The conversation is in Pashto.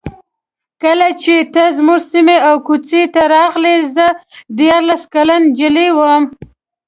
کله چې ته زموږ سیمې او کوڅې ته راغلې زه دیارلس کلنه نجلۍ وم.